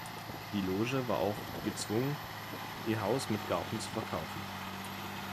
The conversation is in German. Die Loge war auch gezwungen, ihr Haus mit Garten zu verkaufen.